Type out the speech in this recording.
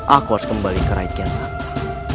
aku harus kembali ke rakyat sana